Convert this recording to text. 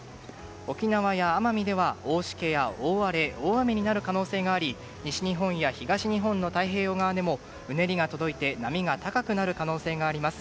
沖縄や奄美では大しけや大荒れ、大雨になる可能性があり西日本や東日本の太平洋側でもうねりが届いて波が高くなる可能性があります。